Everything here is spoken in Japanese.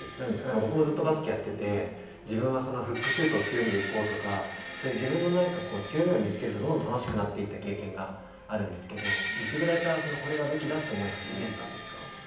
僕もバスケをやっていて自分はフックシュートを強みで行こうとか、自分の強みを見つけるのが楽しくなった経験がありますが、いつぐらいから武器だと思い始めましたか？